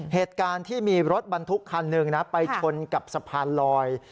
เหตุการณ์ที่มีรถบรรทุกคันหนึ่งนะไปชนกับสะพานลอย